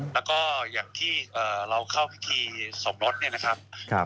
แล้วก็อย่างที่เราเข้าพิธีสมรสเนี่ยนะครับ